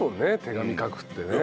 手紙書くってね。